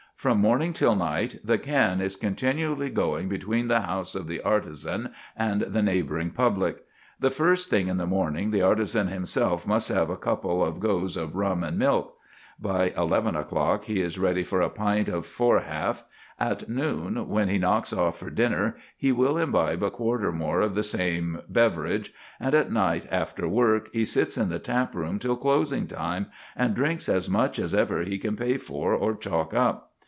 From morning till night the can is continually going between the house of the artisan and the neighbouring "public." The first thing in the morning the artisan himself must have a couple of goes of rum and milk; by eleven o'clock he is ready for a pint of four half; at noon, when he knocks off for dinner, he will imbibe a quart or more of the same beverage; and at night, after work, he sits in the taproom till closing time, and drinks as much as ever he can pay for or chalk up.